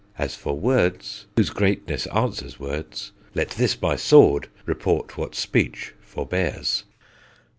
As for words, whose greatness answers words, Let this my sword report what speech forbears.